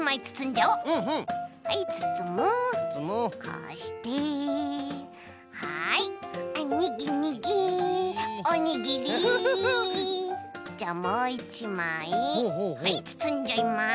じゃもう１まいはいつつんじゃいます。